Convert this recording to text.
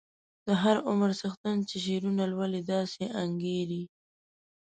د هر عمر څښتن چې شعرونه لولي داسې انګیري.